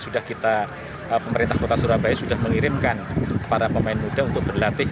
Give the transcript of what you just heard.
sudah kita pemerintah kota surabaya sudah mengirimkan para pemain muda untuk berlatih